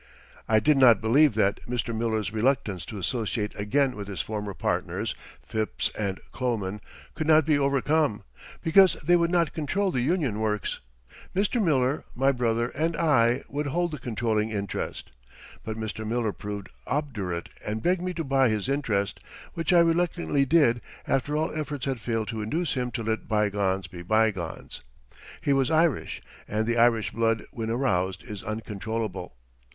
I did not believe that Mr. Miller's reluctance to associate again with his former partners, Phipps and Kloman, could not be overcome, because they would not control the Union Works. Mr. Miller, my brother, and I would hold the controlling interest. But Mr. Miller proved obdurate and begged me to buy his interest, which I reluctantly did after all efforts had failed to induce him to let bygones be bygones. He was Irish, and the Irish blood when aroused is uncontrollable.